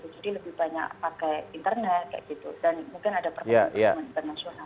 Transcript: jadi lebih banyak pakai internet dan mungkin ada pertemuan internasional